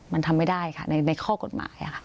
มันทำไม่ได้ค่ะในข้อกฎหมายค่ะ